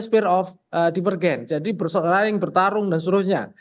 spear of divergen jadi bersekeraling bertarung dan seterusnya